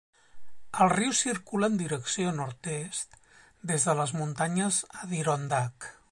El riu circula en direcció nord-est des de les muntanyes Adirondack.